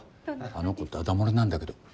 あの子ダダ漏れなんだけど。